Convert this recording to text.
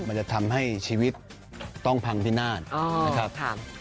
มันจะทำให้ชีวิตต้องพังพินาศนะครับ